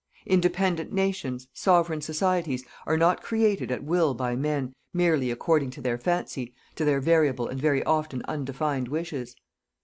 Independent nations, sovereign societies, are not created at will by men, merely according to their fancy, to their variable and very often undefined wishes.